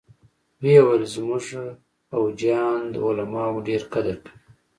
ويې ويل زمونګه فوجيان د علماوو ډېر قدر کوي.